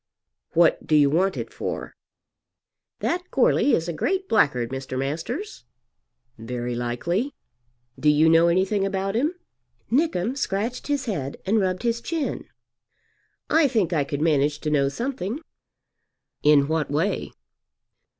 "What do you want it for?" "That Goarly is a great blackguard, Mr. Masters." "Very likely. Do you know anything about him?" Nickem scratched his head and rubbed his chin. "I think I could manage to know something." "In what way?"